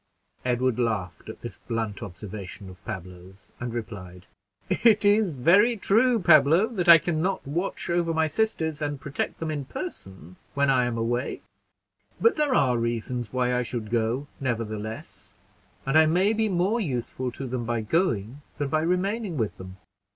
Edward laughed at this blunt observation of Pablo's, and replied, "It is very true, Pablo, that I can not watch over my sisters, and protect them in person, when I am away; but there are reasons why I should go, nevertheless, and I may be more useful to them by going than by remaining with them.